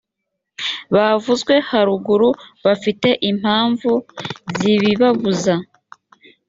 bavuzwe haruguru bafite impamvu zibibabuza